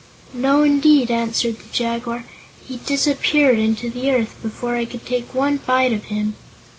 "No, indeed," answered the Jaguar. "He disappeared into the earth before I could take one bite of him!"